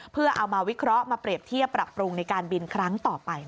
เพื่อเอามาวิเคราะห์มาเปรียบเทียบปรับปรุงในการบินครั้งต่อไป